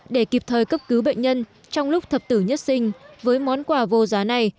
để kịp thời cấp cứu bệnh nhân trong lúc thập tử nhất sinh với món quà vô giá này